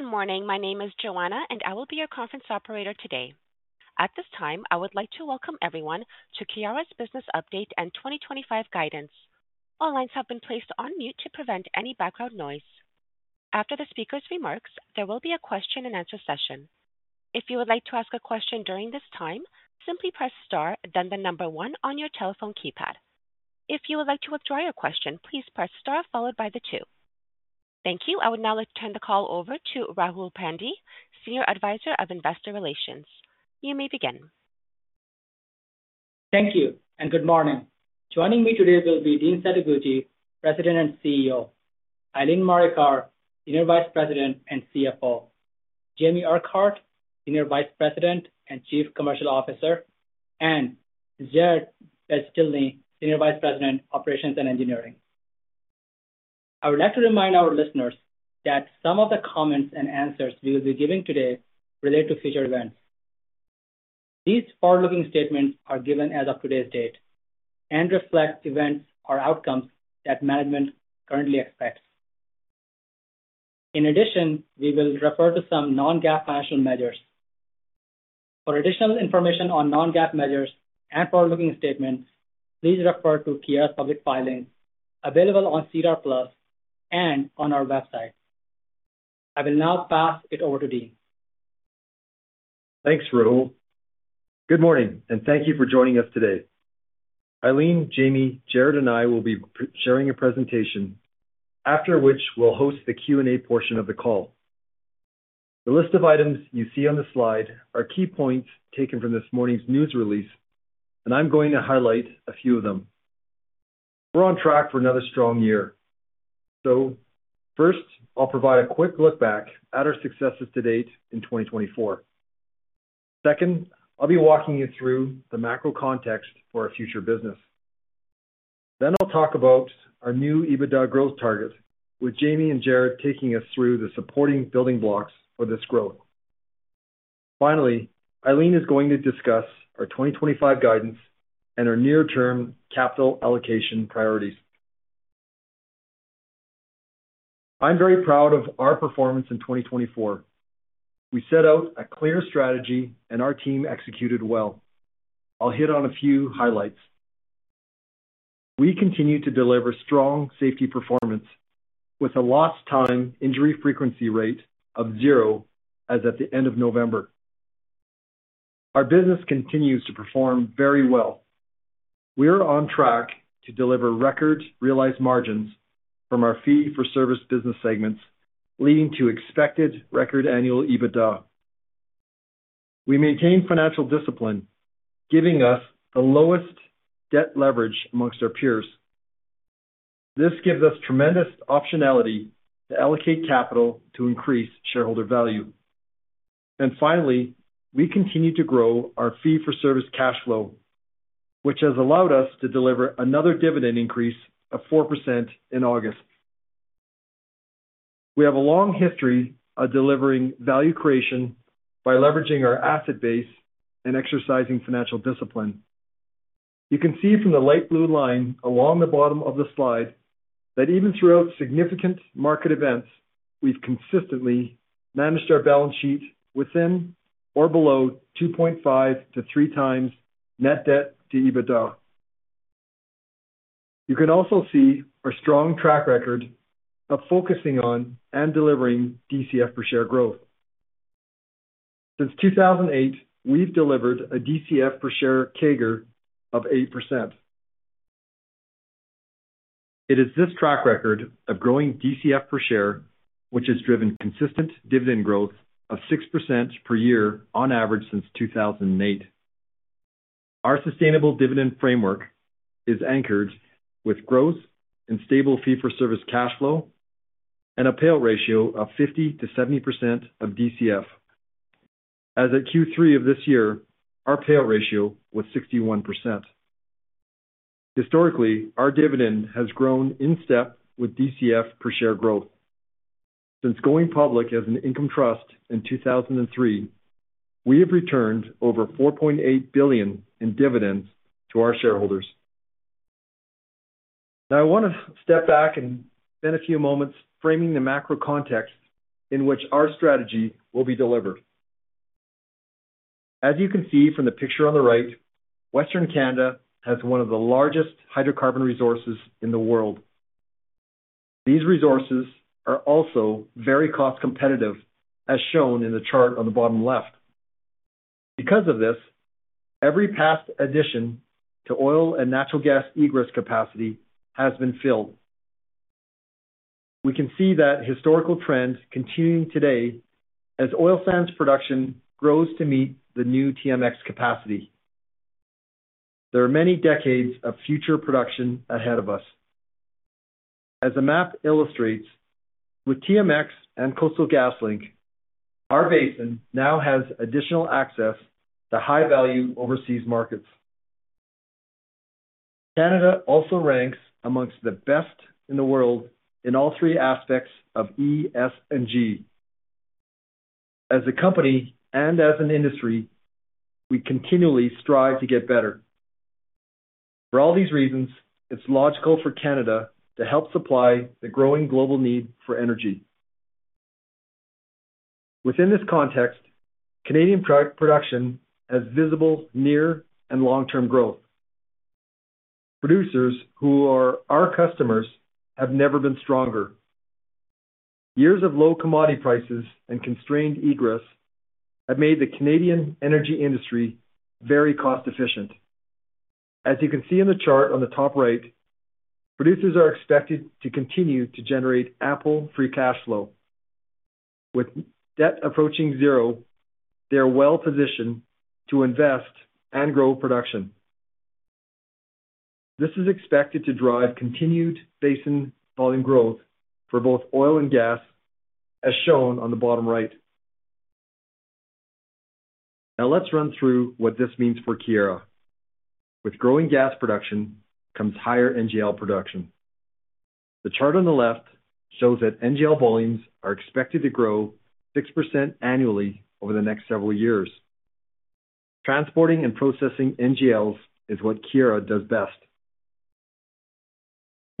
Good morning. My name is Joanna, and I will be your conference operator today. At this time, I would like to welcome everyone to Keyera's Business Update and 2025 Guidance. All lines have been placed on mute to prevent any background noise. After the speaker's remarks, there will be a question-and-answer session. If you would like to ask a question during this time, simply press star, then the number one on your telephone keypad. If you would like to withdraw your question, please press star followed by the two. Thank you. I would now like to turn the call over to Rahul Pandey, Senior Advisor of Investor Relations. You may begin. Thank you and good morning. Joining me today will be Dean Setoguchi, President and CEO, Eileen Marikar, Senior Vice President and CFO, Jamie Urquhart, Senior Vice President and Chief Commercial Officer, and Jarrod Beztilny, Senior Vice President, Operations and Engineering. I would like to remind our listeners that some of the comments and answers we will be giving today relate to future events. These forward-looking statements are given as of today's date and reflect events or outcomes that management currently expects. In addition, we will refer to some non-GAAP financial measures. For additional information on non-GAAP measures and forward-looking statements, please refer to Keyera's public filing available on SEDAR+ and on our website. I will now pass it over to Dean. Thanks, Rahul. Good morning, and thank you for joining us today. Eileen, Jamie, Jarrod, and I will be sharing a presentation, after which we'll host the Q&A portion of the call. The list of items you see on the slide are key points taken from this morning's news release, and I'm going to highlight a few of them. We're on track for another strong year, so first, I'll provide a quick look back at our successes to date in 2024. Second, I'll be walking you through the macro context for our future business, then I'll talk about our new EBITDA growth target, with Jamie and Jarrod taking us through the supporting building blocks for this growth. Finally, Eileen is going to discuss our 2025 guidance and our near-term capital allocation priorities. I'm very proud of our performance in 2024. We set out a clear strategy, and our team executed well. I'll hit on a few highlights. We continue to deliver strong safety performance, with a Lost Time Injury Frequency rate of zero as at the end of November. Our business continues to perform very well. We are on track to deliver record realized margins from our Fee-for-Service business segments, leading to expected record annual EBITDA. We maintain financial discipline, giving us the lowest debt leverage amongst our peers. This gives us tremendous optionality to allocate capital to increase shareholder value. And finally, we continue to grow our Fee-for-Service cash flow, which has allowed us to deliver another dividend increase of 4% in August. We have a long history of delivering value creation by leveraging our asset base and exercising financial discipline. You can see from the light blue line along the bottom of the slide that even throughout significant market events, we've consistently managed our balance sheet within or below 2.5x-3x net debt to EBITDA. You can also see our strong track record of focusing on and delivering DCF per share growth. Since 2008, we've delivered a DCF per share CAGR of 8%. It is this track record of growing DCF per share which has driven consistent dividend growth of 6% per year on average since 2008. Our sustainable dividend framework is anchored with growth and stable Fee-for-Service cash flow and a payout ratio of 50%-70% of DCF. As at Q3 of this year, our payout ratio was 61%. Historically, our dividend has grown in step with DCF per share growth. Since going public as an income trust in 2003, we have returned over 4.8 billion in dividends to our shareholders. Now, I want to step back and spend a few moments framing the macro context in which our strategy will be delivered. As you can see from the picture on the right, Western Canada has one of the largest hydrocarbon resources in the world. These resources are also very cost competitive, as shown in the chart on the bottom left. Because of this, every past addition to oil and natural gas egress capacity has been filled. We can see that historical trend continuing today as oil sands production grows to meet the new TMX capacity. There are many decades of future production ahead of us. As the map illustrates, with TMX and Coastal GasLink, our basin now has additional access to high-value overseas markets. Canada also ranks among the best in the world in all three aspects of E, S, and G. As a company and as an industry, we continually strive to get better. For all these reasons, it's logical for Canada to help supply the growing global need for energy. Within this context, Canadian production has visible near and long-term growth. Producers who are our customers have never been stronger. Years of low commodity prices and constrained egress have made the Canadian energy industry very cost-efficient. As you can see in the chart on the top right, producers are expected to continue to generate ample free cash flow. With debt approaching zero, they are well positioned to invest and grow production. This is expected to drive continued basin volume growth for both oil and gas, as shown on the bottom right. Now, let's run through what this means for Keyera. With growing gas production comes higher NGL production. The chart on the left shows that NGL volumes are expected to grow 6% annually over the next several years. Transporting and processing NGLs is what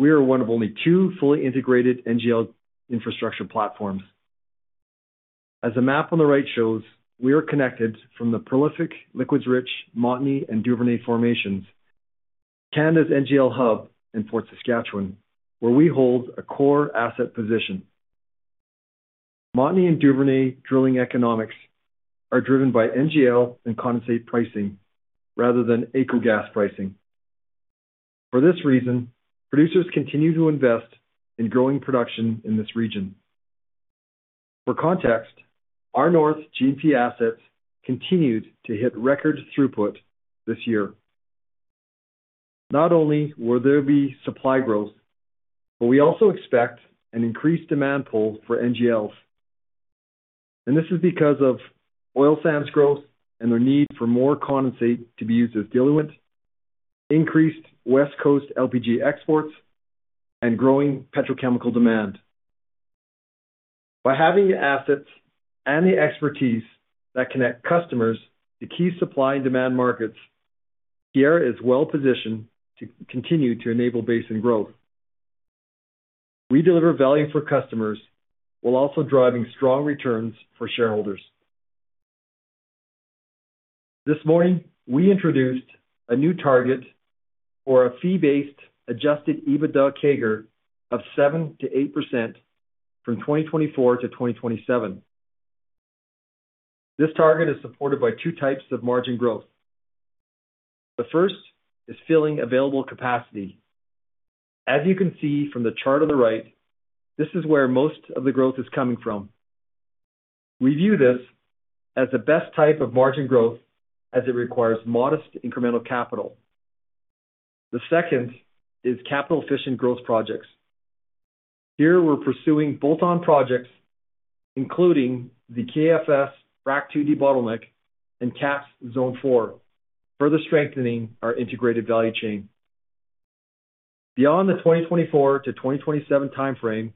Keyera does best. We are one of only two fully integrated NGL infrastructure platforms. As the map on the right shows, we are connected from the prolific liquids-rich Montney and Duvernay formations to Canada's NGL hub in Fort Saskatchewan, where we hold a core asset position. Montney and Duvernay drilling economics are driven by NGL and condensate pricing rather than AECO gas pricing. For this reason, producers continue to invest in growing production in this region. For context, our north G&P assets continued to hit record throughput this year. Not only will there be supply growth, but we also expect an increased demand pull for NGLs. This is because of oil sands growth and the need for more condensate to be used as diluent, increased West Coast LPG exports, and growing petrochemical demand. By having the assets and the expertise that connect customers to key supply and demand markets, Keyera is well positioned to continue to enable basin growth. We deliver value for customers while also driving strong returns for shareholders. This morning, we introduced a new target for a fee-based adjusted EBITDA CAGR of 7%-8% from 2024 to 2027. This target is supported by two types of margin growth. The first is filling available capacity. As you can see from the chart on the right, this is where most of the growth is coming from. We view this as the best type of margin growth as it requires modest incremental capital. The second is capital-efficient growth projects. Here, we're pursuing bolt-on projects, including the KFS Frac II debottleneck and KAPS Zone 4, further strengthening our integrated value chain. Beyond the 2024 to 2027 timeframe,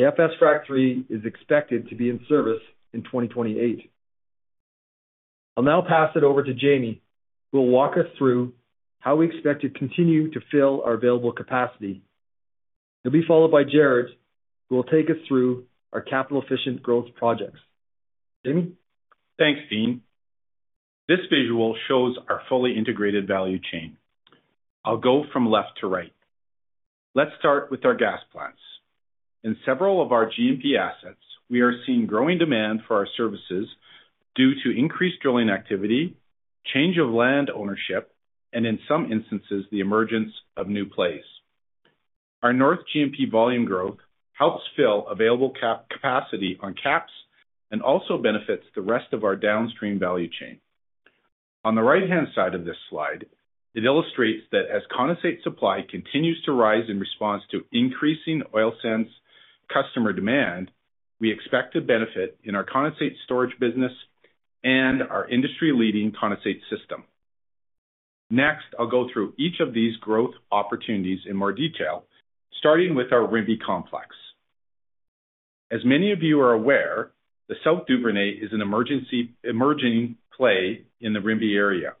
KFS Frac III is expected to be in service in 2028. I'll now pass it over to Jamie, who will walk us through how we expect to continue to fill our available capacity. He'll be followed by Jarrod, who will take us through our capital-efficient growth projects. Jamie? Thanks, Dean. This visual shows our fully integrated value chain. I'll go from left to right. Let's start with our gas plants. In several of our G&P assets, we are seeing growing demand for our services due to increased drilling activity, change of land ownership, and in some instances, the emergence of new plays. Our north G&P volume growth helps fill available capacity on KAPS and also benefits the rest of our downstream value chain. On the right-hand side of this slide, it illustrates that as condensate supply continues to rise in response to increasing oil sands customer demand, we expect to benefit in our condensate storage business and our industry-leading condensate system. Next, I'll go through each of these growth opportunities in more detail, starting with our Rimbey complex. As many of you are aware, the South Duvernay is an emerging play in the Rimbey area.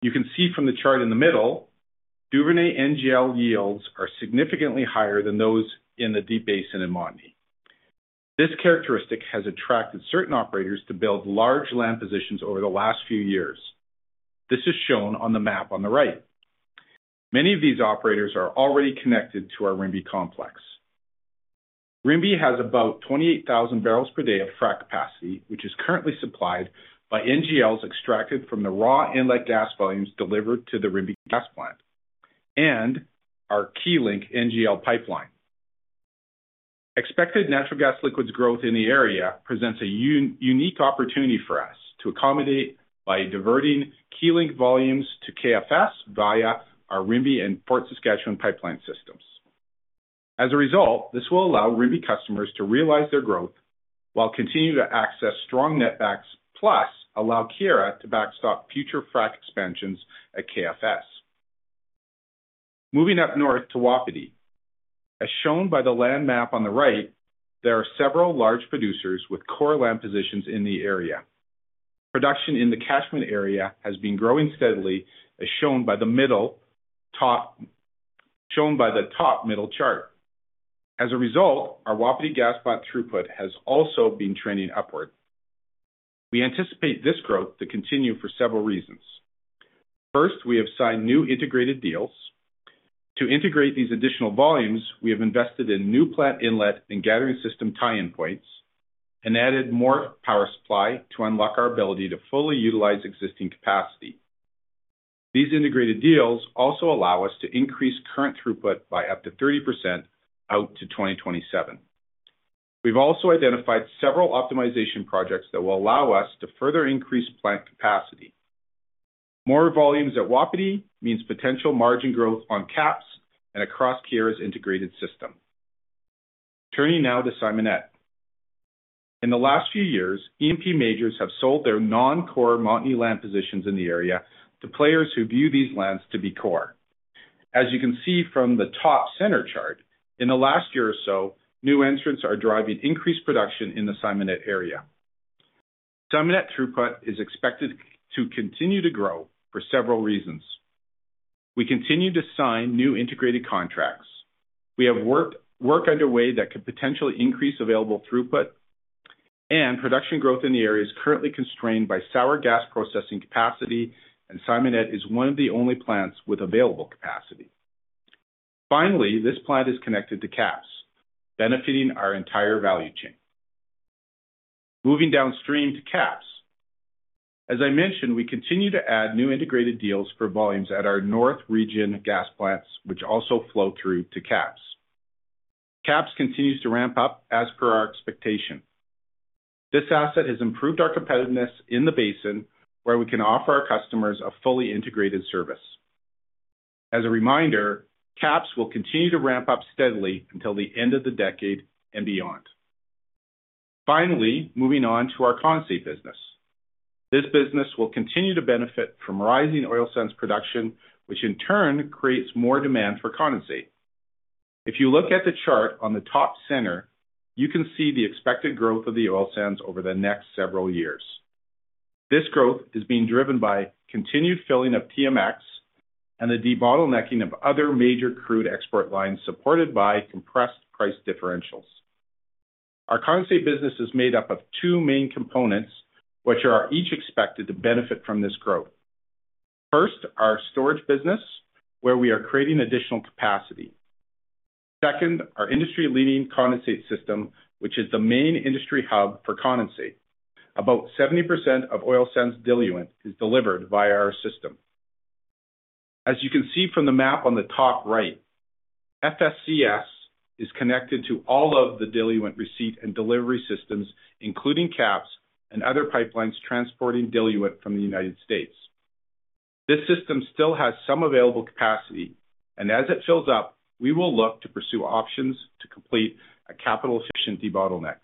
You can see from the chart in the middle, Duvernay NGL yields are significantly higher than those in the Deep Basin in Montney. This characteristic has attracted certain operators to build large land positions over the last few years. This is shown on the map on the right. Many of these operators are already connected to our Rimbey complex. Rimbey has about 28,000 barrels per day of frac capacity, which is currently supplied by NGLs extracted from the raw inlet gas volumes delivered to the Rimbey gas plant and our Keylink NGL pipeline. Expected natural gas liquids growth in the area presents a unique opportunity for us to accommodate by diverting Keylink volumes to KFS via our Rimbey and Fort Saskatchewan pipeline systems. As a result, this will allow Rimbey customers to realize their growth while continue to access strong netbacks, plus allow Keyera to backstop future frac expansions at KFS. Moving up north to Wapiti. As shown by the land map on the right, there are several large producers with core land positions in the area. Production in the catchment area has been growing steadily, as shown by the middle chart. As a result, our Wapiti gas plant throughput has also been trending upward. We anticipate this growth to continue for several reasons. First, we have signed new integrated deals. To integrate these additional volumes, we have invested in new plant inlet and gathering system tie-in points and added more power supply to unlock our ability to fully utilize existing capacity. These integrated deals also allow us to increase current throughput by up to 30% out to 2027. We've also identified several optimization projects that will allow us to further increase plant capacity. More volumes at Wapiti means potential margin growth on KAPS and across Keyera's integrated system. Turning now to Simonette. In the last few years, E&P majors have sold their non-core Montney land positions in the area to players who view these lands to be core. As you can see from the top center chart, in the last year or so, new entrants are driving increased production in the Simonette area. Simonette throughput is expected to continue to grow for several reasons. We continue to sign new integrated contracts. We have work underway that could potentially increase available throughput, and production growth in the area is currently constrained by sour gas processing capacity, and Simonette is one of the only plants with available capacity. Finally, this plant is connected to KAPS, benefiting our entire value chain. Moving downstream to KAPS. As I mentioned, we continue to add new integrated deals for volumes at our north region gas plants, which also flow through to KAPS. KAPS continues to ramp up as per our expectation. This asset has improved our competitiveness in the basin, where we can offer our customers a fully integrated service. As a reminder, KAPS will continue to ramp up steadily until the end of the decade and beyond. Finally, moving on to our condensate business. This business will continue to benefit from rising oil sands production, which in turn creates more demand for condensate. If you look at the chart on the top center, you can see the expected growth of the oil sands over the next several years. This growth is being driven by continued filling of TMX and the debottlenecking of other major crude export lines supported by compressed price differentials. Our condensate business is made up of two main components, which are each expected to benefit from this growth. First, our storage business, where we are creating additional capacity. Second, our industry-leading condensate system, which is the main industry hub for condensate. About 70% of oil sands diluent is delivered via our system. As you can see from the map on the top right, FSCS is connected to all of the diluent receipt and delivery systems, including KAPS and other pipelines transporting diluent from the United States. This system still has some available capacity, and as it fills up, we will look to pursue options to complete a capital-efficient debottleneck.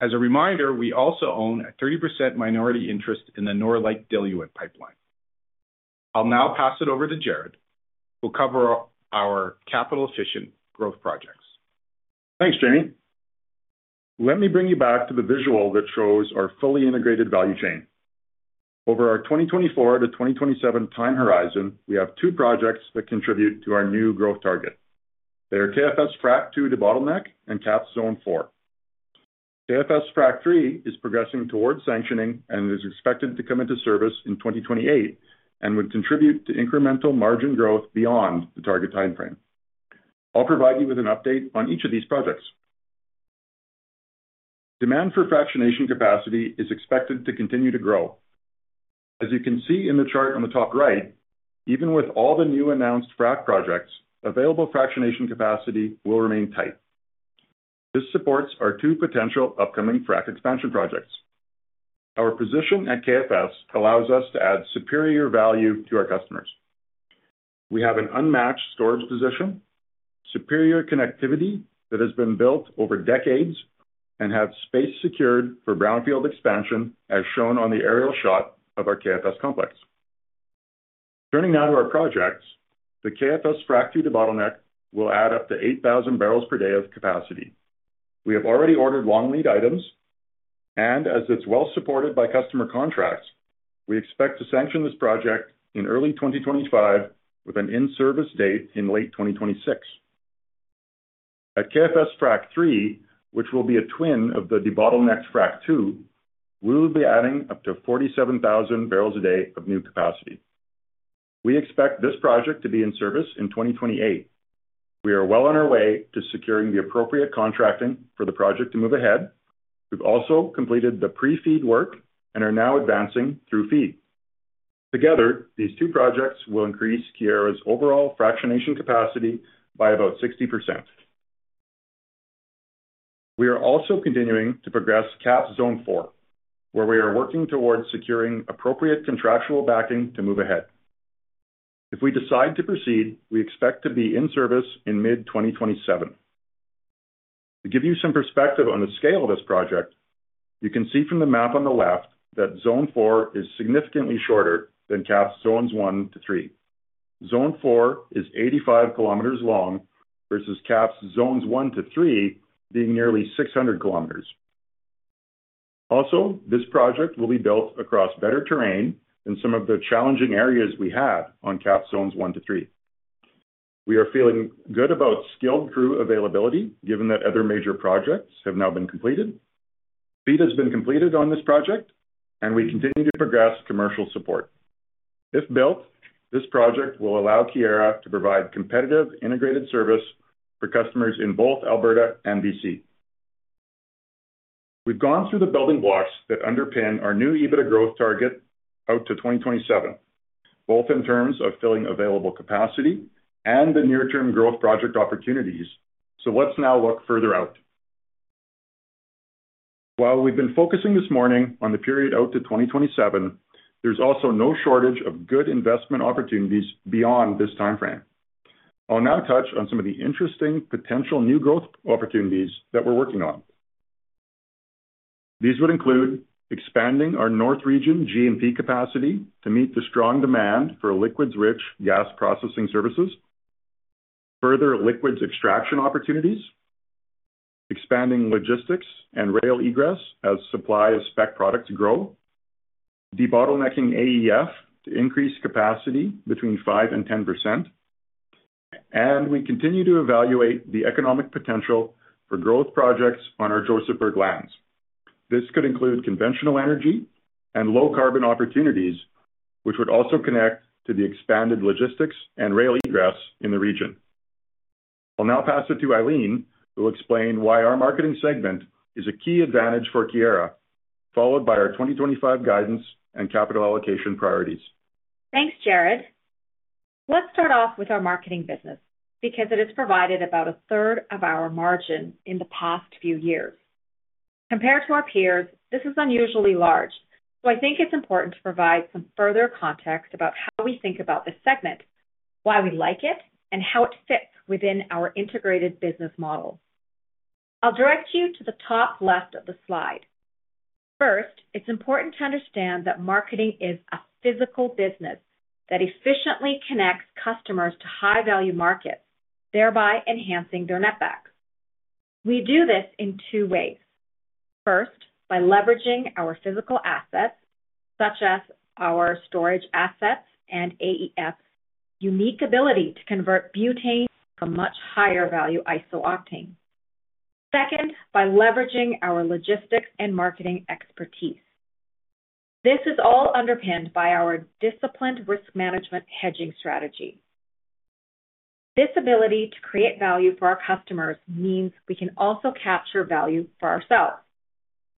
As a reminder, we also own a 30% minority interest in the Norlake diluent pipeline. I'll now pass it over to Jarrod, who will cover our capital-efficient growth projects. Thanks, Jamie. Let me bring you back to the visual that shows our fully integrated value chain. Over our 2024 to 2027 time horizon, we have two projects that contribute to our new growth target. They are KFS Frac II debottleneck and KAPS Zone 4. KFS Frac III is progressing toward sanctioning and is expected to come into service in 2028 and would contribute to incremental margin growth beyond the target timeframe. I'll provide you with an update on each of these projects. Demand for fractionation capacity is expected to continue to grow. As you can see in the chart on the top right, even with all the new announced frac projects, available fractionation capacity will remain tight. This supports our two potential upcoming frac expansion projects. Our position at KFS allows us to add superior value to our customers. We have an unmatched storage position, superior connectivity that has been built over decades, and have space secured for brownfield expansion, as shown on the aerial shot of our KFS complex. Turning now to our projects, the KFS Frac II debottleneck will add up to 8,000 barrels per day of capacity. We have already ordered long lead items, and as it's well supported by customer contracts, we expect to sanction this project in early 2025 with an in-service date in late 2026. At KFS Frac III, which will be a twin of the debottleneck Frac II, we will be adding up to 47,000 barrels a day of new capacity. We expect this project to be in service in 2028. We are well on our way to securing the appropriate contracting for the project to move ahead. We've also completed the pre-FEED work and are now advancing through FEED. Together, these two projects will increase Keyera's overall fractionation capacity by about 60%. We are also continuing to progress KAPS Zone 4, where we are working towards securing appropriate contractual backing to move ahead. If we decide to proceed, we expect to be in service in mid-2027. To give you some perspective on the scale of this project, you can see from the map on the left that Zone 4 is significantly shorter than KAPS Zones 1-3. Zone 4 is 85 km long, versus KAPS Zones 1-3 being nearly 600 km. Also, this project will be built across better terrain than some of the challenging areas we had on KAPS Zones 1-3. We are feeling good about skilled crew availability, given that other major projects have now been completed. FEED has been completed on this project, and we continue to progress commercial support. If built, this project will allow Keyera to provide competitive integrated service for customers in both Alberta and BC. We've gone through the building blocks that underpin our new EBITDA growth target out to 2027, both in terms of filling available capacity and the near-term growth project opportunities, so let's now look further out. While we've been focusing this morning on the period out to 2027, there's also no shortage of good investment opportunities beyond this timeframe. I'll now touch on some of the interesting potential new growth opportunities that we're working on. These would include expanding our north region G&P capacity to meet the strong demand for liquids-rich gas processing services, further liquids extraction opportunities, expanding logistics and rail egress as supply of spec products grow, debottlenecking AEF to increase capacity between 5%-10%, and we continue to evaluate the economic potential for growth projects on our Josephburg lands. This could include conventional energy and low-carbon opportunities, which would also connect to the expanded logistics and rail egress in the region. I'll now pass it to Eileen, who will explain why our Marketing segment is a key advantage for Keyera, followed by our 2025 guidance and capital allocation priorities. Thanks, Jarrod. Let's start off with our Marketing business, because it has provided about a third of our margin in the past few years. Compared to our peers, this is unusually large, so I think it's important to provide some further context about how we think about this segment, why we like it, and how it fits within our integrated business model. I'll direct you to the top left of the slide. First, it's important to understand that Marketing is a physical business that efficiently connects customers to high-value markets, thereby enhancing their netbacks. We do this in two ways. First, by leveraging our physical assets, such as our storage assets and AEF's unique ability to convert butane to much higher-value iso-octane. Second, by leveraging our logistics and marketing expertise. This is all underpinned by our disciplined risk management hedging strategy. This ability to create value for our customers means we can also capture value for ourselves.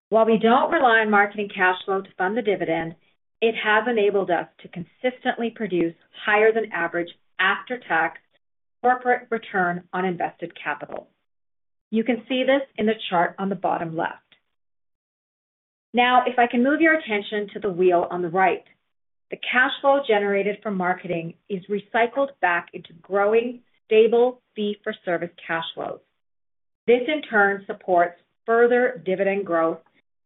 While we don't rely on Marketing cash flow to fund the dividend, it has enabled us to consistently produce higher-than-average after-tax corporate return on invested capital. You can see this in the chart on the bottom left. Now, if I can move your attention to the wheel on the right, the cash flow generated from marketing is recycled back into growing stable Fee-for-Service cash flows. This, in turn, supports further dividend growth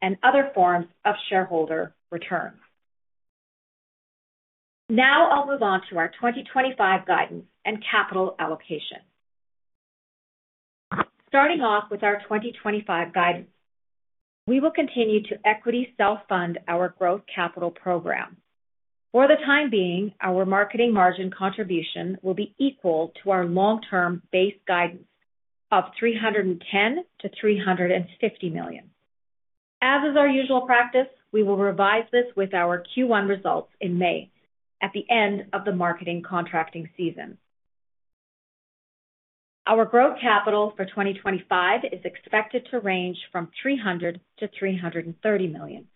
and other forms of shareholder return. Now I'll move on to our 2025 guidance and capital allocation. Starting off with our 2025 guidance, we will continue to equity self-fund our growth capital program. For the time being, our marketing margin contribution will be equal to our long-term base guidance of 310 million-350 million. As is our usual practice, we will revise this with our Q1 results in May at the end of the marketing contracting season. Our growth capital for 2025 is expected to range from 300 million-330 million.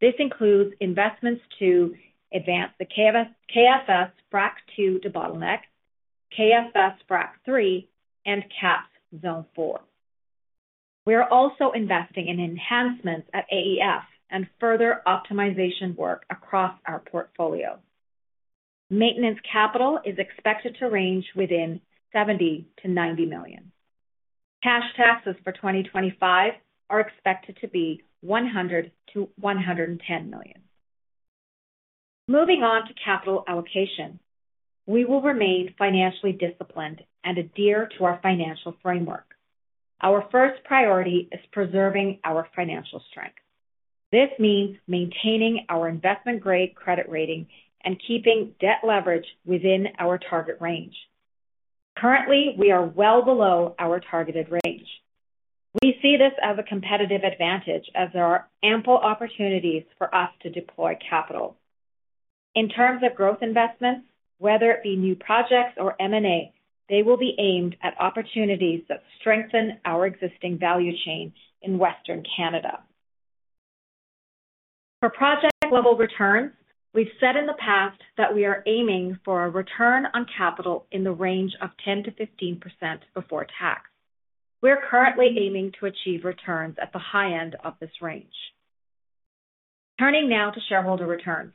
This includes investments to advance the KFS Frac II debottleneck, KFS Frac III, and KAPS Zone 4. We are also investing in enhancements at AEF and further optimization work across our portfolio. Maintenance capital is expected to range within 70 million-90 million. Cash taxes for 2025 are expected to be 100 million-110 million. Moving on to capital allocation, we will remain financially disciplined and adhere to our financial framework. Our first priority is preserving our financial strength. This means maintaining our investment-grade credit rating and keeping debt leverage within our target range. Currently, we are well below our targeted range. We see this as a competitive advantage, as there are ample opportunities for us to deploy capital. In terms of growth investments, whether it be new projects or M&A, they will be aimed at opportunities that strengthen our existing value chain in Western Canada. For project-level returns, we've said in the past that we are aiming for a return on capital in the range of 10%-15% before tax. We're currently aiming to achieve returns at the high end of this range. Turning now to shareholder returns.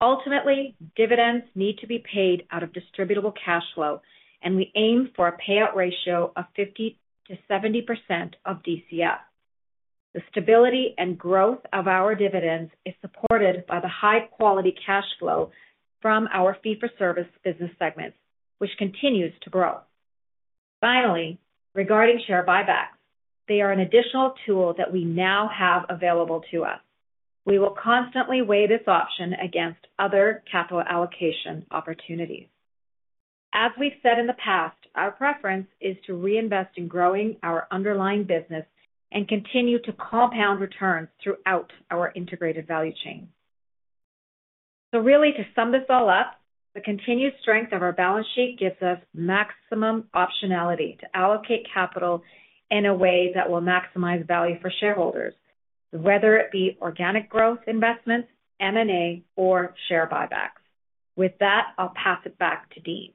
Ultimately, dividends need to be paid out of distributable cash flow, and we aim for a payout ratio of 50%-70% of DCF. The stability and growth of our dividends is supported by the high-quality cash flow from our Fee-for-Service business segments, which continues to grow. Finally, regarding share buybacks, they are an additional tool that we now have available to us. We will constantly weigh this option against other capital allocation opportunities. As we've said in the past, our preference is to reinvest in growing our underlying business and continue to compound returns throughout our integrated value chain. So really, to sum this all up, the continued strength of our balance sheet gives us maximum optionality to allocate capital in a way that will maximize value for shareholders, whether it be organic growth investments, M&A, or share buybacks. With that, I'll pass it back to Dean.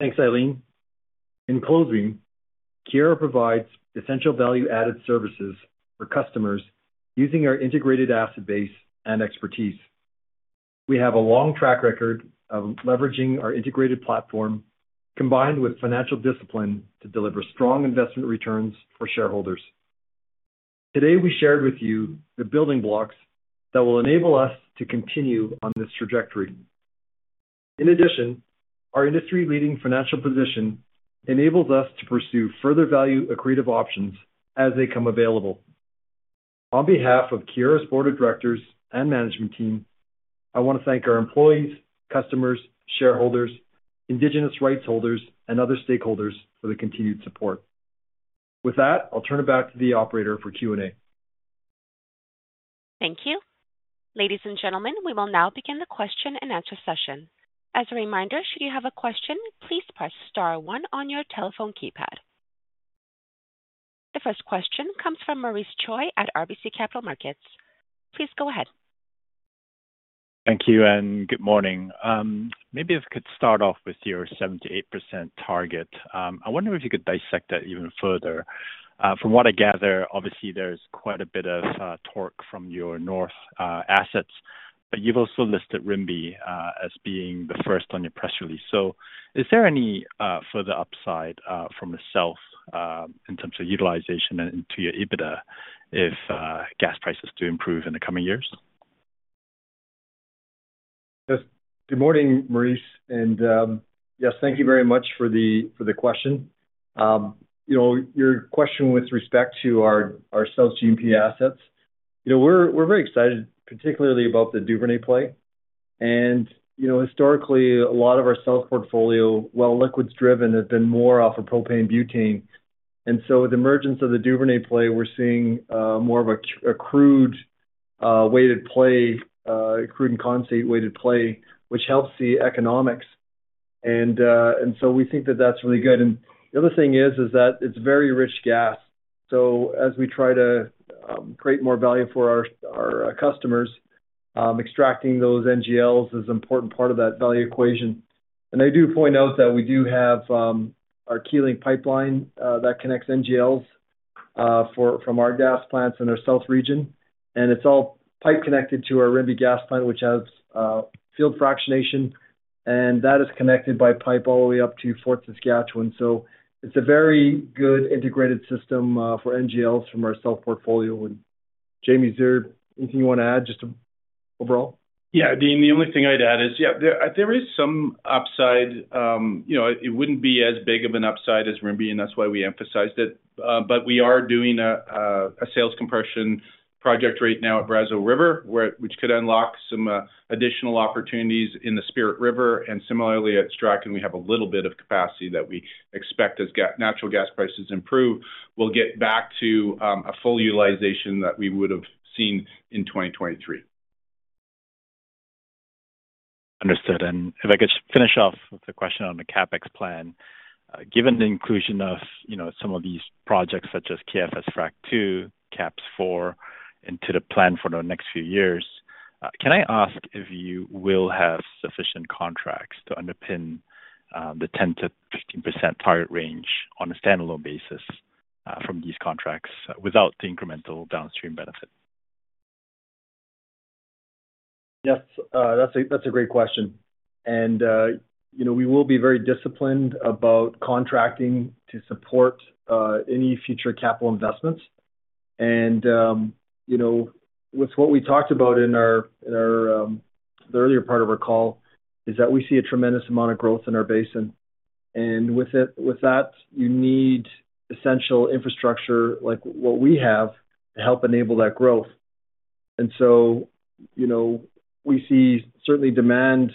Thanks, Eileen. In closing, Keyera provides essential value-added services for customers using our integrated asset base and expertise. We have a long track record of leveraging our integrated platform, combined with financial discipline to deliver strong investment returns for shareholders. Today, we shared with you the building blocks that will enable us to continue on this trajectory. In addition, our industry-leading financial position enables us to pursue further value-accretive options as they come available. On behalf of Keyera's board of directors and management team, I want to thank our employees, customers, shareholders, Indigenous rights holders, and other stakeholders for the continued support. With that, I'll turn it back to the operator for Q&A. Thank you. Ladies and gentlemen, we will now begin the question-and-answer session. As a reminder, should you have a question, please press star one on your telephone keypad. The first question comes from Maurice Choy at RBC Capital Markets. Please go ahead. Thank you and good morning. Maybe if we could start off with your 7%-8% target. I wonder if you could dissect that even further. From what I gather, obviously, there's quite a bit of torque from your north assets, but you've also listed Rimbey as being the first on your press release. So is there any further upside from the south in terms of utilization and into your EBITDA if gas prices do improve in the coming years? Yes. Good morning, Maurice, and yes, thank you very much for the question. Your question with respect to our south G&P assets, we're very excited, particularly about the Duvernay play, and historically, a lot of our south portfolio, while liquids-driven, have been more off of propane butane, and so with the emergence of the Duvernay play, we're seeing more of a crude-weighted play, crude and condensate-weighted play, which helps the economics, and so we think that that's really good, and the other thing is that it's very rich gas, so as we try to create more value for our customers, extracting those NGLs is an important part of that value equation, and I do point out that we do have our Keylink pipeline that connects NGLs from our gas plants in our south region. It's all pipe-connected to our Rimbey gas plant, which has field fractionation, and that is connected by pipe all the way up to Fort Saskatchewan. It's a very good integrated system for NGLs from our south portfolio. Jamie, is there anything you want to add just overall? Yeah, Dean, the only thing I'd add is, yeah, there is some upside. It wouldn't be as big of an upside as Rimbey, and that's why we emphasized it. But we are doing a sales compression project right now at Brazeau River, which could unlock some additional opportunities in the Spirit River. And similarly, at Strachan, we have a little bit of capacity that we expect as natural gas prices improve. We'll get back to a full utilization that we would have seen in 2023. Understood. If I could finish off with a question on the CapEx plan. Given the inclusion of some of these projects, such as KFS Frac II, KAPS 4, into the plan for the next few years, can I ask if you will have sufficient contracts to underpin the 10%-15% target range on a standalone basis from these contracts without the incremental downstream benefit? Yes, that's a great question. And we will be very disciplined about contracting to support any future capital investments. And with what we talked about in the earlier part of our call, is that we see a tremendous amount of growth in our basin. And with that, you need essential infrastructure like what we have to help enable that growth. And so we see certainly demand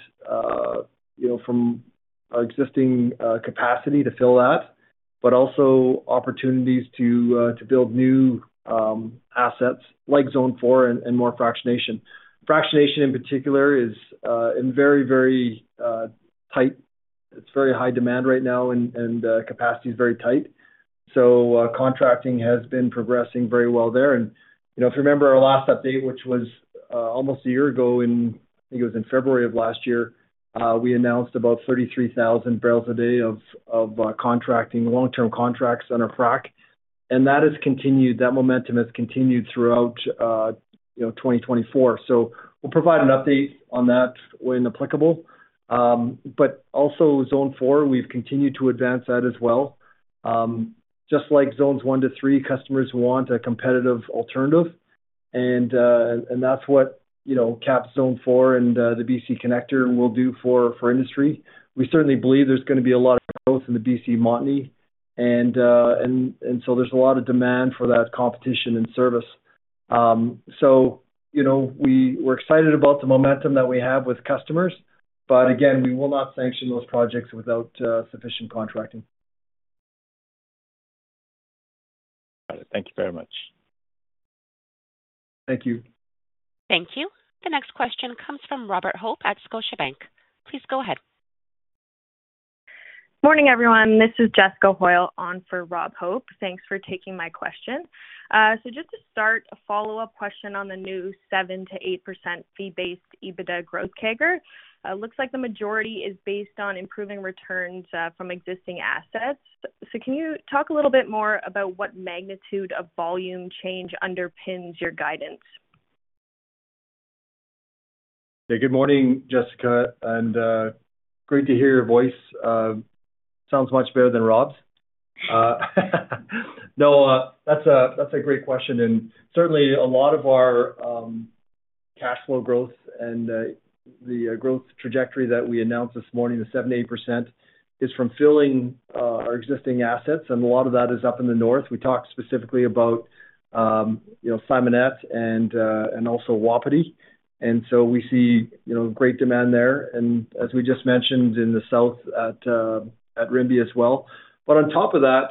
from our existing capacity to fill that, but also opportunities to build new assets like zone 4 and more fractionation. Fractionation, in particular, is in very, very tight. It's very high demand right now, and capacity is very tight. So contracting has been progressing very well there. And if you remember our last update, which was almost a year ago, I think it was in February of last year, we announced about 33,000 barrels a day of contracting, long-term contracts under frac. That has continued. That momentum has continued throughout 2024. So we'll provide an update on that when applicable. But also, Zone 4, we've continued to advance that as well. Just like zones one to three, customers want a competitive alternative. And that's what KAPS Zone 4 and the BC Connector will do for industry. We certainly believe there's going to be a lot of growth in the BC Montney. And so there's a lot of demand for that competition and service. So we're excited about the momentum that we have with customers. But again, we will not sanction those projects without sufficient contracting. Got it. Thank you very much. Thank you. Thank you. The next question comes from Robert Hope at Scotiabank. Please go ahead. Morning, everyone. This is Jessica Hoyle on for Robert Hope. Thanks for taking my question. So just to start, a follow-up question on the new 7%-8% fee-based EBITDA growth CAGR. It looks like the majority is based on improving returns from existing assets. So can you talk a little bit more about what magnitude of volume change underpins your guidance? Yeah, good morning, Jessica, and great to hear your voice. Sounds much better than Rob's. No, that's a great question, and certainly, a lot of our cash flow growth and the growth trajectory that we announced this morning, the 7%-8%, is from filling our existing assets, and a lot of that is up in the north. We talked specifically about Simonette and also Wapiti, and so we see great demand there, and as we just mentioned, in the south at Rimbey as well. But on top of that,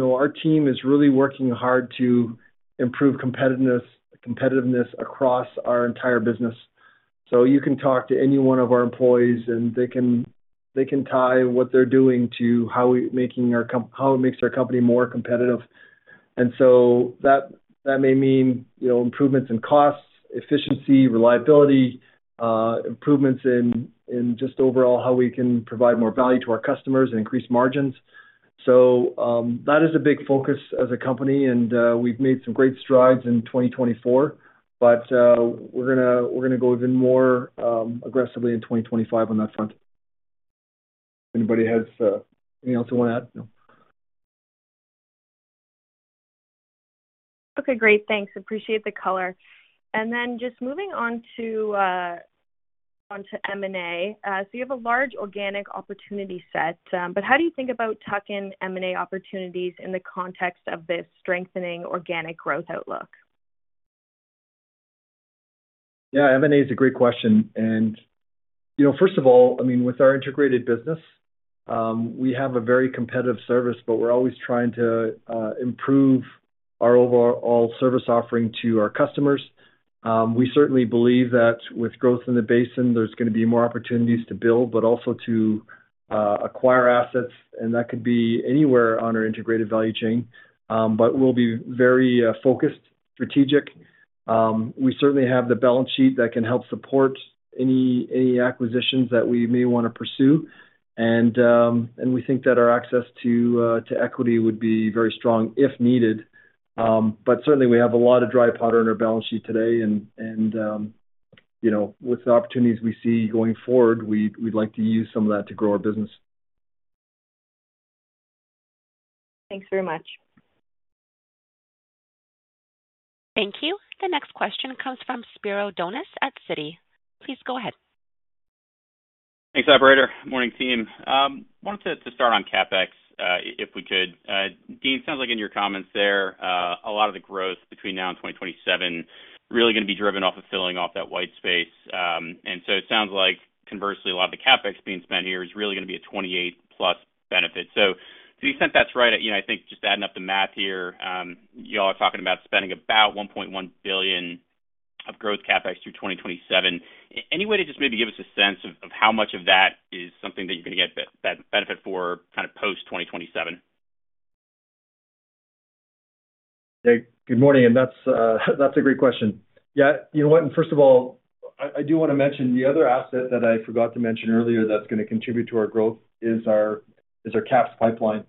our team is really working hard to improve competitiveness across our entire business, so you can talk to any one of our employees, and they can tie what they're doing to how it makes our company more competitive. And so that may mean improvements in costs, efficiency, reliability, improvements in just overall how we can provide more value to our customers and increase margins. So that is a big focus as a company. And we've made some great strides in 2024, but we're going to go even more aggressively in 2025 on that front. Anybody have anything else they want to add? Okay, great. Thanks. Appreciate the color. And then just moving on to M&A. So you have a large organic opportunity set. But how do you think about tuck-in M&A opportunities in the context of this strengthening organic growth outlook? Yeah, M&A is a great question. And first of all, I mean, with our integrated business, we have a very competitive service, but we're always trying to improve our overall service offering to our customers. We certainly believe that with growth in the basin, there's going to be more opportunities to build, but also to acquire assets. And that could be anywhere on our integrated value chain. But we'll be very focused, strategic. We certainly have the balance sheet that can help support any acquisitions that we may want to pursue. And we think that our access to equity would be very strong if needed. But certainly, we have a lot of dry powder in our balance sheet today. And with the opportunities we see going forward, we'd like to use some of that to grow our business. Thanks very much. Thank you. The next question comes from Spiro Dounis at Citi. Please go ahead. Thanks, operator. Morning, team. I wanted to start on CapEx if we could. Dean, it sounds like in your comments there, a lot of the growth between now and 2027 is really going to be driven off of filling off that white space. And so it sounds like, conversely, a lot of the CapEx being spent here is really going to be a 2028-plus benefit. So to the extent that's right, I think just adding up the math here, y'all are talking about spending about 1.1 billion of growth CapEx through 2027. Any way to just maybe give us a sense of how much of that is something that you're going to get benefit for kind of post-2027? Yeah, good morning. And that's a great question. Yeah, you know what? And first of all, I do want to mention the other asset that I forgot to mention earlier that's going to contribute to our growth is our KAPS pipeline.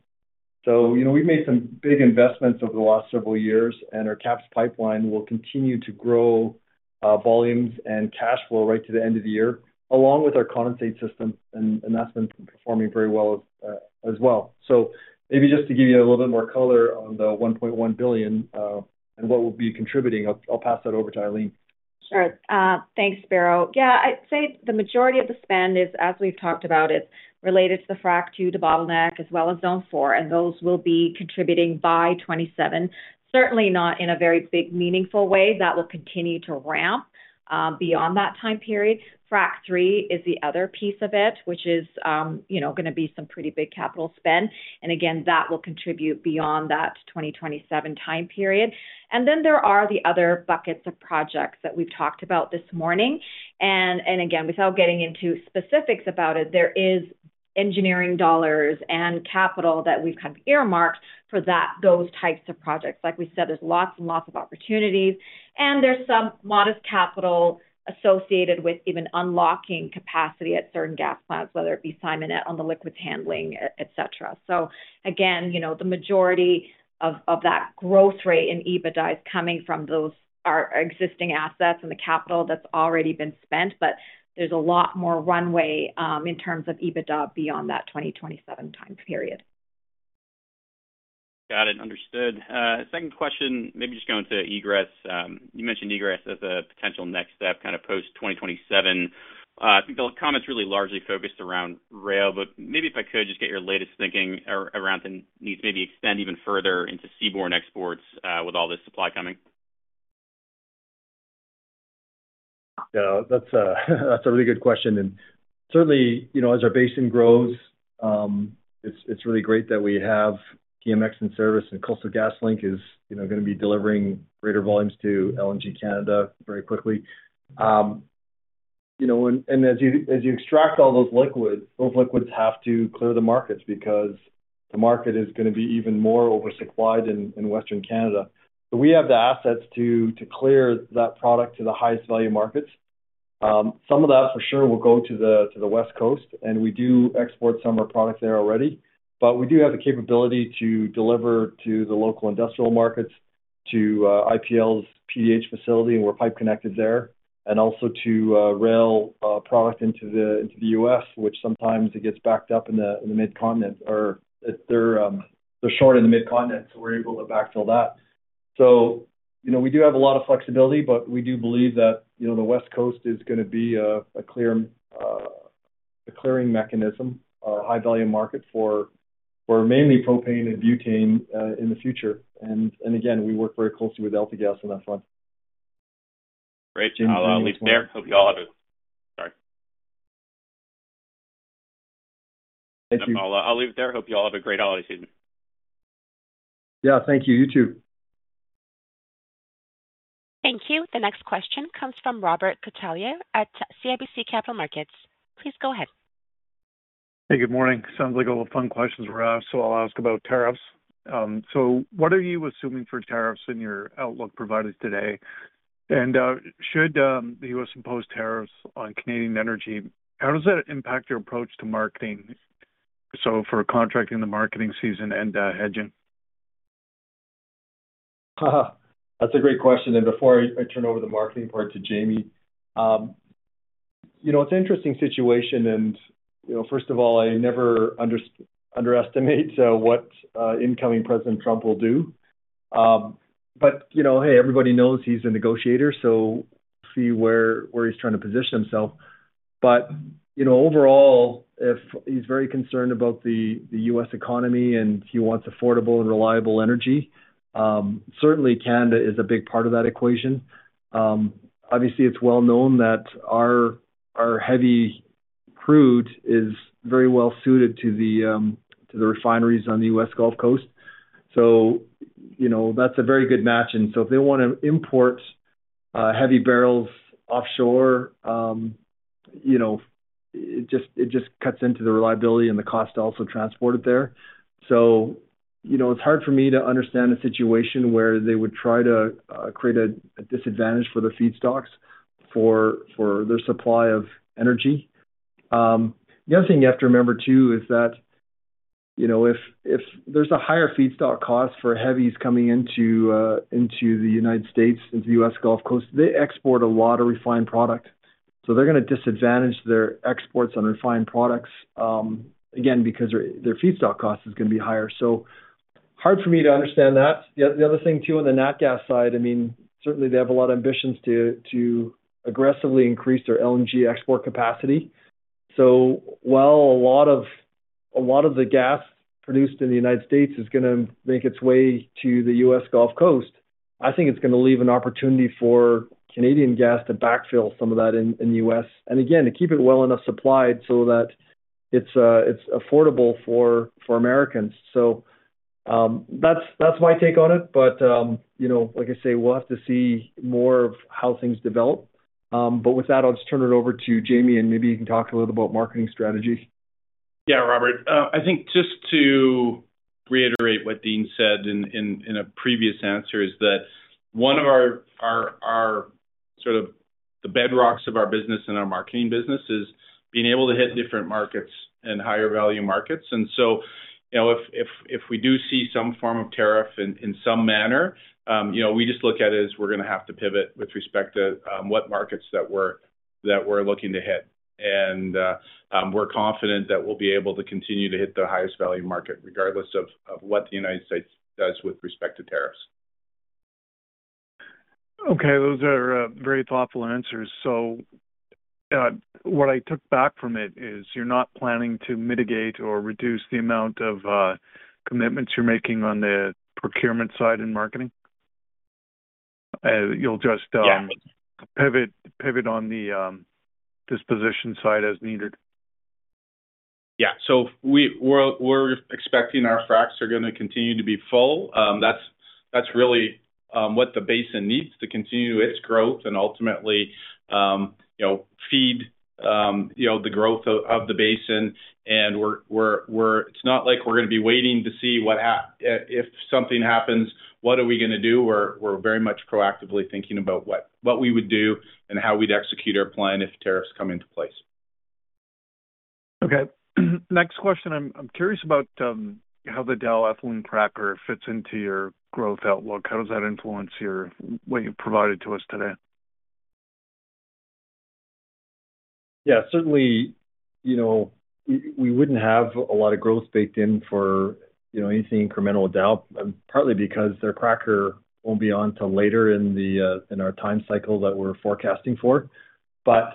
So we've made some big investments over the last several years, and our KAPS pipeline will continue to grow volumes and cash flow right to the end of the year, along with our condensate system. And that's been performing very well as well. So maybe just to give you a little bit more color on the 1.1 billion and what we'll be contributing, I'll pass that over to Eileen. Sure. Thanks, Spiro. Yeah, I'd say the majority of the spend is, as we've talked about, it's related to the Frac II, the bottleneck, as well as Zone 4. And those will be contributing by 2027. Certainly not in a very big, meaningful way. That will continue to ramp beyond that time period. Frac III is the other piece of it, which is going to be some pretty big capital spend. And again, that will contribute beyond that 2027 time period. And then there are the other buckets of projects that we've talked about this morning. And again, without getting into specifics about it, there is engineering dollars and capital that we've kind of earmarked for those types of projects. Like we said, there's lots and lots of opportunities. And there's some modest capital associated with even unlocking capacity at certain gas plants, whether it be Simonette on the liquids handling, etc. So again, the majority of that growth rate in EBITDA is coming from those existing assets and the capital that's already been spent. But there's a lot more runway in terms of EBITDA beyond that 2027 time period. Got it. Understood. Second question, maybe just going to egress. You mentioned egress as a potential next step kind of post-2027. I think the comment's really largely focused around rail, but maybe if I could just get your latest thinking around the need to maybe extend even further into seaborne exports with all this supply coming? Yeah, that's a really good question, and certainly, as our basin grows, it's really great that we have TMX in service, and Coastal GasLink is going to be delivering greater volumes to LNG Canada very quickly, and as you extract all those liquids, those liquids have to clear the markets because the market is going to be even more oversupplied in Western Canada, so we have the assets to clear that product to the highest value markets. Some of that, for sure, will go to the West Coast, and we do export some of our product there already, but we do have the capability to deliver to the local industrial markets, to IPL's PDH facility where pipe connects is there, and also to rail product into the U.S., which sometimes it gets backed up in the Mid-Continent, or they're short in the Mid-Continent, so we're able to backfill that. So we do have a lot of flexibility, but we do believe that the West Coast is going to be a clearing mechanism, a high-value market for mainly propane and butane in the future. And again, we work very closely with AltaGas on that front. Great. I'll leave it there. Hope you all have a - sorry. Thank you. I'll leave it there. Hope you all have a great holiday season. Yeah, thank you. You too. Thank you. The next question comes from Robert Catellier at CIBC Capital Markets. Please go ahead. Hey, good morning. Sounds like all the fun questions were asked, so I'll ask about tariffs. So what are you assuming for tariffs in your outlook provided today? And should the U.S. impose tariffs on Canadian energy, how does that impact your approach to marketing? So for contracting the marketing season and hedging? That's a great question, and before I turn over the marketing part to Jamie, it's an interesting situation, and first of all, I never underestimate what incoming President Trump will do, but hey, everybody knows he's a negotiator, so see where he's trying to position himself, but overall, if he's very concerned about the U.S. economy and he wants affordable and reliable energy, certainly Canada is a big part of that equation. Obviously, it's well known that our heavy crude is very well suited to the refineries on the U.S. Gulf Coast, so that's a very good match, and so if they want to import heavy barrels offshore, it just cuts into the reliability and the cost to also transport it there, so it's hard for me to understand a situation where they would try to create a disadvantage for the feedstocks for their supply of energy. The other thing you have to remember too is that if there's a higher feedstock cost for heavies coming into the United States, into the U.S. Gulf Coast, they export a lot of refined product. So they're going to disadvantage their exports on refined products, again, because their feedstock cost is going to be higher. So hard for me to understand that. The other thing too on the natural gas side, I mean, certainly they have a lot of ambitions to aggressively increase their LNG export capacity. So while a lot of the gas produced in the United States is going to make its way to the U.S. Gulf Coast, I think it's going to leave an opportunity for Canadian gas to backfill some of that in the U.S. And again, to keep it well enough supplied so that it's affordable for Americans. So that's my take on it. But like I say, we'll have to see more of how things develop. But with that, I'll just turn it over to Jamie, and maybe you can talk a little bit about marketing strategy. Yeah, Robert. I think just to reiterate what Dean said in a previous answer is that one of our sort of the bedrocks of our business and our Marketing business is being able to hit different markets and higher value markets. And so if we do see some form of tariff in some manner, we just look at it as we're going to have to pivot with respect to what markets that we're looking to hit. And we're confident that we'll be able to continue to hit the highest value market regardless of what the United States does with respect to tariffs. Okay, those are very thoughtful answers. So what I took back from it is you're not planning to mitigate or reduce the amount of commitments you're making on the procurement side in Marketing? You'll just pivot on the disposition side as needed? Yeah, so we're expecting our fracs are going to continue to be full. That's really what the basin needs to continue its growth and ultimately feed the growth of the basin, and it's not like we're going to be waiting to see what if something happens, what are we going to do? We're very much proactively thinking about what we would do and how we'd execute our plan if tariffs come into place. Okay. Next question. I'm curious about how the Dow ethylene cracker fits into your growth outlook. How does that influence what you've provided to us today? Yeah, certainly we wouldn't have a lot of growth baked in for anything incremental with Dow, partly because their cracker won't be on until later in our time cycle that we're forecasting for. But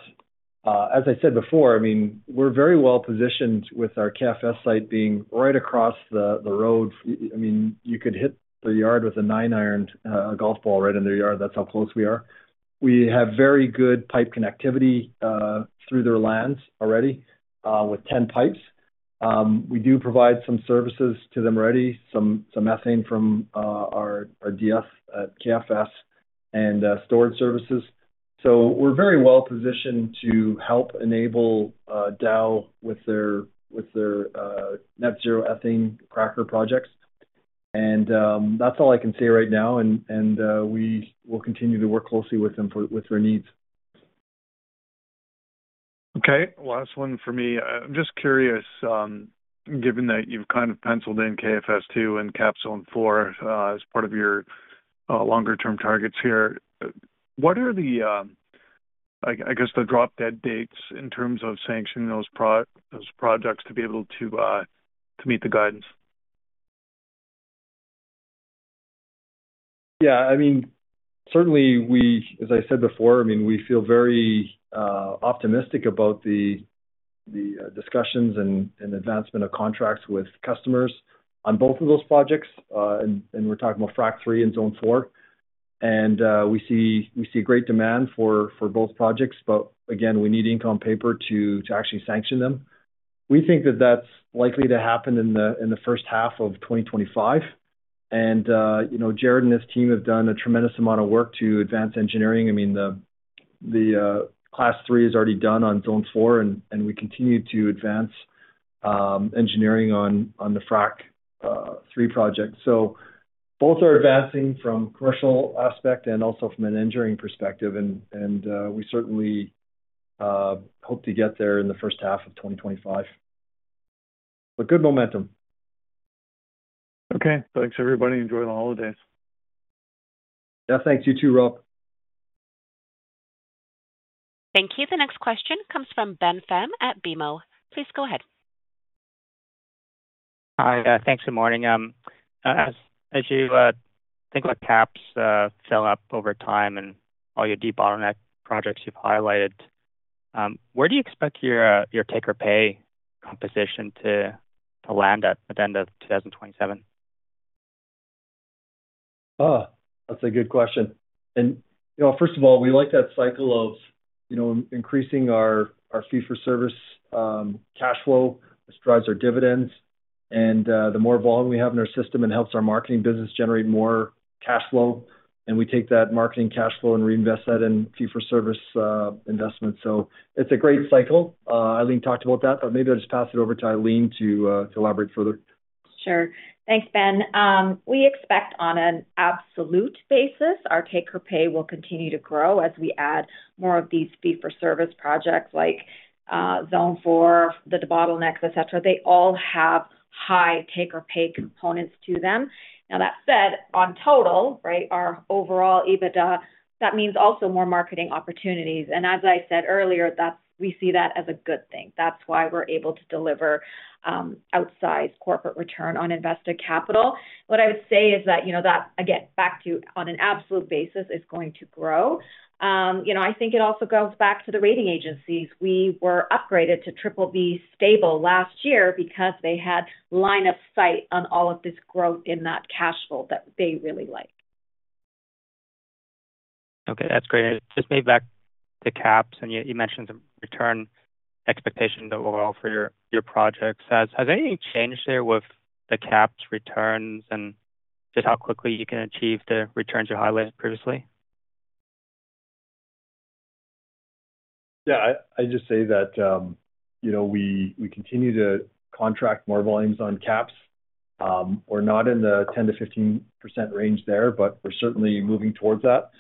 as I said before, I mean, we're very well positioned with our KFS site being right across the road. I mean, you could hit the yard with a nine-iron golf ball right in their yard. That's how close we are. We have very good pipe connectivity through their lands already with 10 pipes. We do provide some services to them already, some ethane from our de-eth at KFS and storage services. So we're very well positioned to help enable Dow with their net zero ethane cracker projects. And that's all I can say right now. And we will continue to work closely with them with their needs. Okay. Last one for me. I'm just curious, given that you've kind of penciled in KFS II and KAPS Zone 4 as part of your longer-term targets here, what are the, I guess, the drop-dead dates in terms of sanctioning those projects to be able to meet the guidance? Yeah. I mean, certainly, as I said before, I mean, we feel very optimistic about the discussions and advancement of contracts with customers on both of those projects. And we're talking about Frac III and Zone 4. And we see great demand for both projects. But again, we need income paper to actually sanction them. We think that that's likely to happen in the first half of 2025. And Jarrod and his team have done a tremendous amount of work to advance engineering. I mean, the Class 3 is already done on Zone 4, and we continue to advance engineering on the Frac III project. So both are advancing from a commercial aspect and also from an engineering perspective. And we certainly hope to get there in the first half of 2025. But good momentum. Okay. Thanks, everybody. Enjoy the holidays. Yeah, thanks. You too, Rob. Thank you. The next question comes from Ben Pham at BMO. Please go ahead. Hi. Thanks for the morning. As you think about KAPS fill up over time and all your debottlenecking projects you've highlighted, where do you expect your take-or-pay composition to land at the end of 2027? That's a good question. And first of all, we like that cycle of increasing our Fee-for-Service cash flow. This drives our dividends. And the more volume we have in our system, it helps our Marketing business generate more cash flow. And we take that Marketing cash flow and reinvest that in Fee-for-Service investments. So it's a great cycle. Eileen talked about that, but maybe I'll just pass it over to Eileen to elaborate further. Sure. Thanks, Ben. We expect on an absolute basis, our take-or-pay will continue to grow as we add more of these Fee-for-Service projects like Zone 4, the bottlenecks, etc. They all have high take-or-pay components to them. Now, that said, on total, right, our overall EBITDA, that means also more marketing opportunities. And as I said earlier, we see that as a good thing. That's why we're able to deliver outsized corporate return on invested capital. What I would say is that, again, back to on an absolute basis, it's going to grow. I think it also goes back to the rating agencies. We were upgraded to BBB stable last year because they had line of sight on all of this growth in that cash flow that they really like. Okay. That's great. Just maybe back to KAPS, and you mentioned some return expectation overall for your projects. Has anything changed there with the KAPS' returns and just how quickly you can achieve the returns you highlighted previously? Yeah. I just say that we continue to contract more volumes on KAPS. We're not in the 10%-15% range there, but we're certainly moving towards that.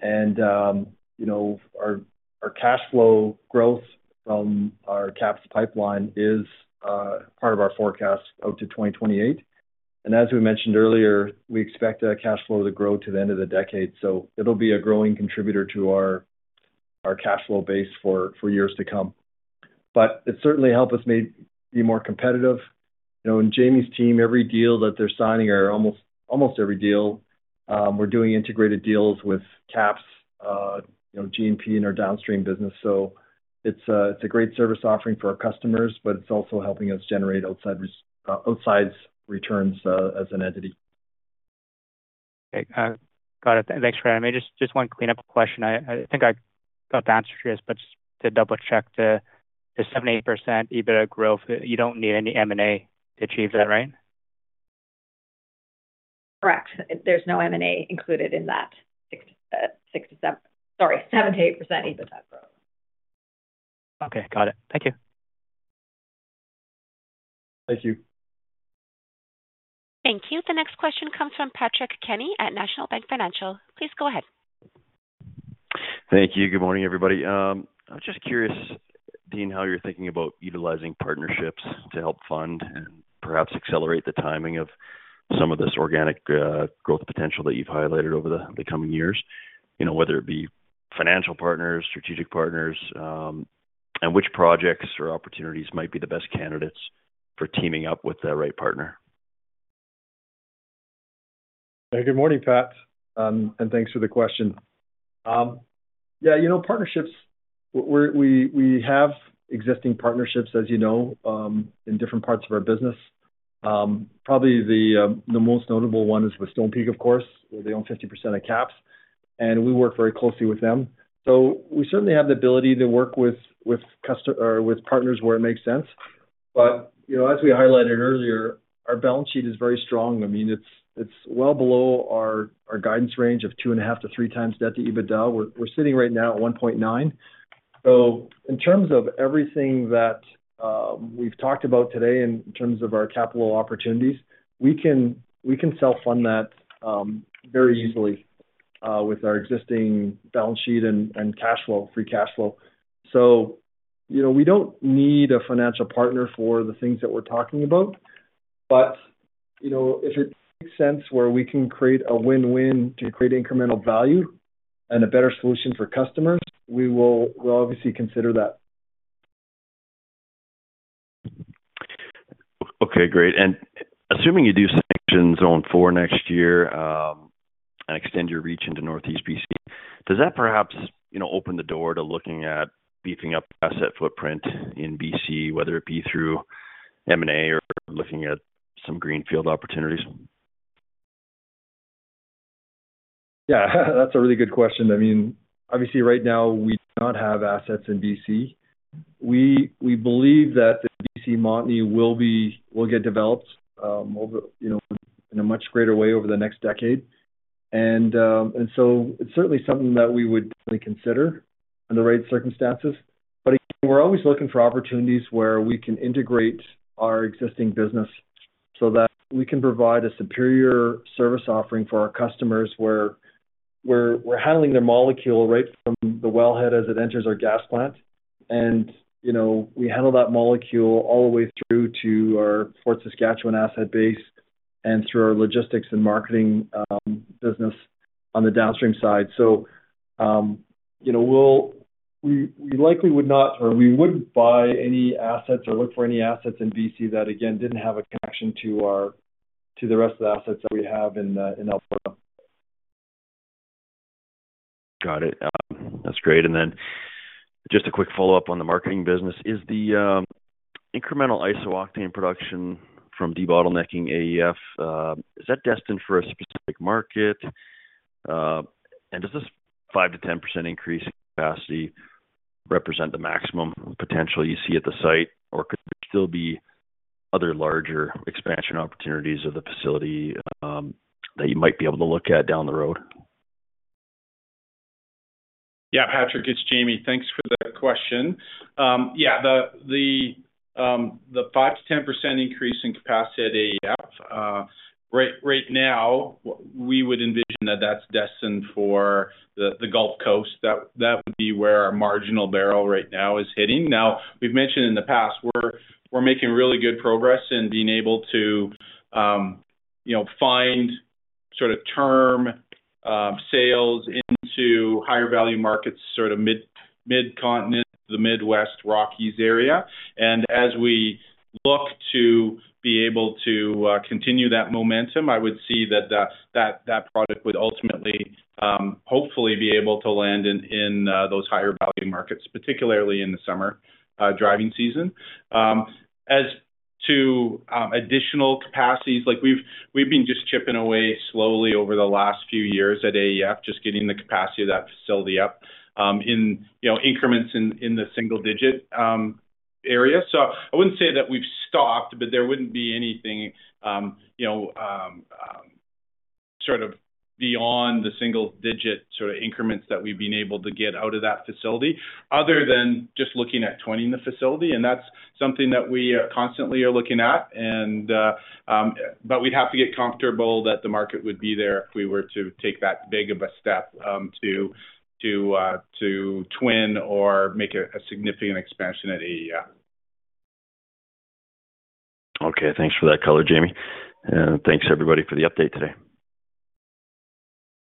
And our cash flow growth from our KAPS pipeline is part of our forecast out to 2028. And as we mentioned earlier, we expect our cash flow to grow to the end of the decade. So it'll be a growing contributor to our cash flow base for years to come. But it certainly helps us be more competitive. And Jamie's team, every deal that they're signing or almost every deal, we're doing integrated deals with KAPS, G&P, and our downstream business. So it's a great service offering for our customers, but it's also helping us generate outsized returns as an entity. Okay. Got it. Thanks for that. I just want to clean up a question. I think I got the answer to this, but just to double-check, the 7%-8% EBITDA growth, you don't need any M&A to achieve that, right? Correct. There's no M&A included in that 6%-7%, sorry, 7%-8% EBITDA growth. Okay. Got it. Thank you. Thank you. Thank you. The next question comes from Patrick Kenny at National Bank Financial. Please go ahead. Thank you. Good morning, everybody. I'm just curious, Dean, how you're thinking about utilizing partnerships to help fund and perhaps accelerate the timing of some of this organic growth potential that you've highlighted over the coming years, whether it be financial partners, strategic partners, and which projects or opportunities might be the best candidates for teaming up with the right partner? Hey, good morning, Pat, and thanks for the question. Yeah. Partnerships, we have existing partnerships, as you know, in different parts of our business. Probably the most notable one is with Stonepeak, of course, where they own 50% of KAPS, and we work very closely with them, so we certainly have the ability to work with partners where it makes sense. But as we highlighted earlier, our balance sheet is very strong. I mean, it's well below our guidance range of two and a half to three times debt to EBITDA. We're sitting right now at 1.9, so in terms of everything that we've talked about today in terms of our capital opportunities, we can self-fund that very easily with our existing balance sheet and cash flow, free cash flow, so we don't need a financial partner for the things that we're talking about. But if it makes sense where we can create a win-win to create incremental value and a better solution for customers, we will obviously consider that. Okay. Great. And assuming you do sanction Zone 4 next year and extend your reach into Northeast BC, does that perhaps open the door to looking at beefing up asset footprint in BC, whether it be through M&A or looking at some greenfield opportunities? Yeah. That's a really good question. I mean, obviously, right now, we do not have assets in BC. We believe that the BC Montney will get developed in a much greater way over the next decade. And so it's certainly something that we would consider under right circumstances. But we're always looking for opportunities where we can integrate our existing business so that we can provide a superior service offering for our customers where we're handling their molecule right from the wellhead as it enters our gas plant. And we handle that molecule all the way through to our Fort Saskatchewan asset base and through our logistics and marketing business on the downstream side. So we likely would not or we wouldn't buy any assets or look for any assets in BC that, again, didn't have a connection to the rest of the assets that we have in Alberta. Got it. That's great. And then just a quick follow-up on the Marketing business. Is the incremental iso-octane production from debottlenecking AEF, is that destined for a specific market? And does this 5%-10% increase in capacity represent the maximum potential you see at the site, or could there still be other larger expansion opportunities of the facility that you might be able to look at down the road? Yeah, Patrick, it's Jamie. Thanks for the question. Yeah. The 5%-10% increase in capacity at AEF, right now, we would envision that that's destined for the Gulf Coast. That would be where our marginal barrel right now is hitting. Now, we've mentioned in the past, we're making really good progress in being able to find sort of term sales into higher value markets, sort of Mid-Continent, the Midwest, Rockies area. And as we look to be able to continue that momentum, I would see that that product would ultimately, hopefully, be able to land in those higher value markets, particularly in the summer driving season. As to additional capacities, we've been just chipping away slowly over the last few years at AEF, just getting the capacity of that facility up in increments in the single-digit area. So I wouldn't say that we've stopped, but there wouldn't be anything sort of beyond the single-digit sort of increments that we've been able to get out of that facility other than just looking at twinning the facility. And that's something that we constantly are looking at. But we'd have to get comfortable that the market would be there if we were to take that big of a step to twin or make a significant expansion at AEF. Okay. Thanks for that color, Jamie. And thanks, everybody, for the update today.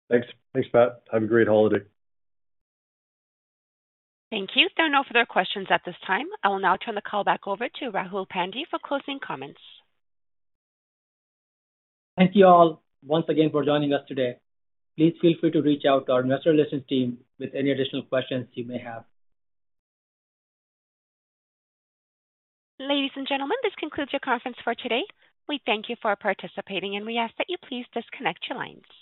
Thanks. Thanks, Pat. Have a great holiday. Thank you. There are no further questions at this time. I will now turn the call back over to Rahul Pandey for closing comments. Thank you all once again for joining us today. Please feel free to reach out to our investor relations team with any additional questions you may have. Ladies and gentlemen, this concludes your conference for today. We thank you for participating, and we ask that you please disconnect your lines.